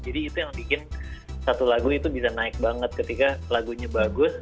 jadi itu yang bikin satu lagu itu bisa naik banget ketika lagunya bagus